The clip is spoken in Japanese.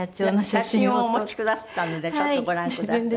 写真をお持ちくだすったのでちょっとご覧ください。